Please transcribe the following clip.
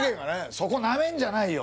そこなめんじゃないよ